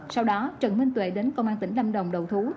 sau đó trần minh tuệ đến công an tỉnh lâm đồng đầu thú